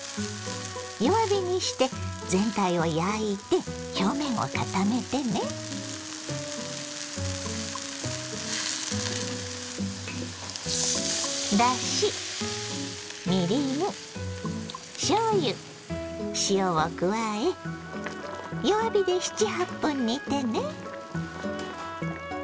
弱火にして全体を焼いて表面を固めてね。を加え弱火で７８分煮てね。